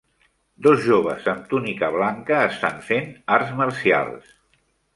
Dos joves amb túnica blanca estan fent arts marcials.